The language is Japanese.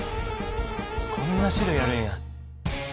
こんな種類あるんや。